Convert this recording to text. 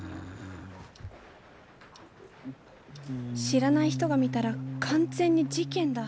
知らない人が見たら完全に事件だ。